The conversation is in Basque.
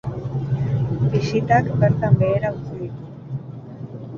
Bisitak bertan behera utzi ditu.